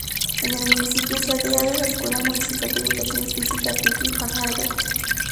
En el municipio se ha creado la Escuela Municipal de Educación Física Piti Fajardo.